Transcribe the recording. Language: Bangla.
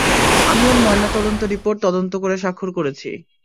আমি ওর ময়নাতদন্ত রিপোর্ট তদন্ত করে স্বাক্ষর করেছি।